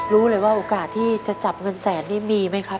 รู้เลยว่าโอกาสที่จะจับเงินแสนนี่มีไหมครับ